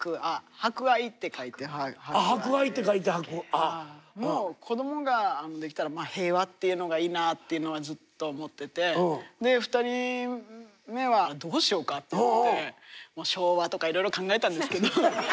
「博愛」って書いて「はくあ」。もう子供ができたら「平和」っていうのがいいなっていうのはずっと思ってて２人目はどうしようかってなって昭和とかいろいろ考えたんですけど。